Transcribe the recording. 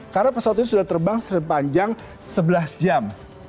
karena pesawat itu sudah terbang sepanjang sebelas jam